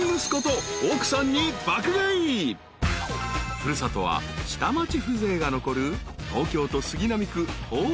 ［古里は下町風情が残る東京都］